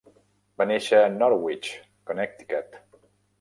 Va néixer a Norwich, Connecticut.